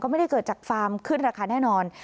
ไม่ได้เกิดจากฟาร์มขึ้นราคาแน่นอน